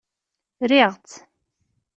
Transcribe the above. Riɣ-tt.